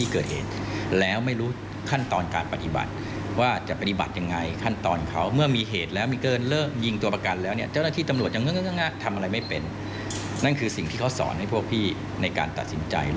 คุณจะต้องทำอย่างไร